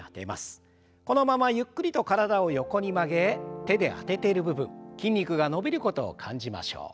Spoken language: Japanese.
このままゆっくりと体を横に曲げ手であてている部分筋肉が伸びることを感じましょう。